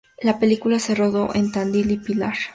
La película se rodó en Tandil y Pilar.